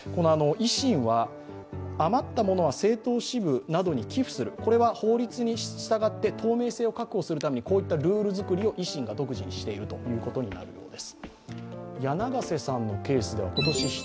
維新は余ったものは政党支部などに寄付する、これは法律に従って透明性を確保するためにこういったルール作りを維新が独自にしているということになるそうです。